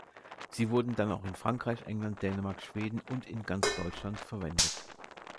Sie wurden dann auch in Frankreich, England, Dänemark, Schweden und in ganz Deutschland verwendet.